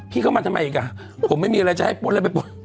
เข้ามาทำไมอีกอ่ะผมไม่มีอะไรจะให้ป้นแล้วไปป้น